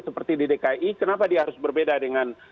seperti di dki kenapa dia harus berbeda dengan